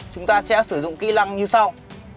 chúng ta sẽ sử dụng kỹ lăng như sau